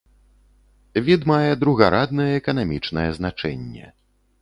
Від мае другараднае эканамічнае значэнне.